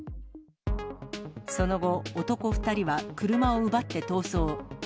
その後、男２人は車を奪って逃走。